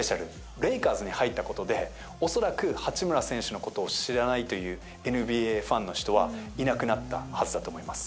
レイカーズに入ったことで、恐らく八村選手のことを知らないというＮＢＡファンの人はいなくなったはずだと思います。